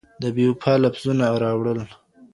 د بېوفا لفظونه راوړل